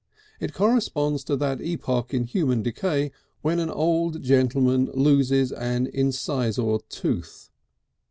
It corresponds to that epoch in human decay when an old gentleman loses an incisor tooth.